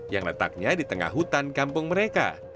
yang letaknya di tengah hutan kampung mereka